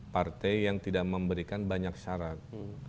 partai yang tidak memberikan banyak syarat